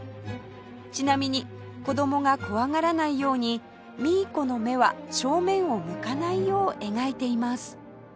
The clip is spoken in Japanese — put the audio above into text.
ちなみに子どもが怖がらないようにミーコの目は正面を向かないよう描いています